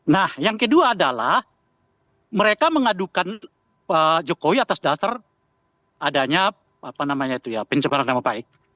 nah yang kedua adalah mereka mengadukan pak jokowi atas dasar adanya apa namanya itu ya pencemaran nama baik